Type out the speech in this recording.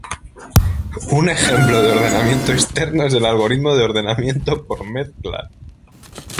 Un ejemplo de ordenamiento externo es el algoritmo de ordenamiento por mezcla.